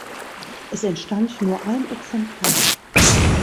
Es entstand nur ein Exemplar.